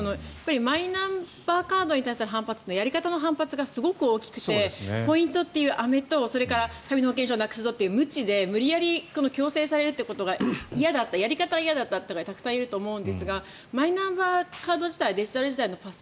マイナンバーカードに対する反発というのはやり方の反発がすごく大きくてポイントというアメと紙の保険証をなくすぞというムチで無理やり強制されるというやり方が嫌だった人がたくさんいると思うんですがマイナンバーカード自体